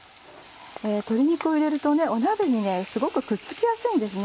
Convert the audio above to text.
鶏肉を入れると鍋にすごくくっつきやすいんですね。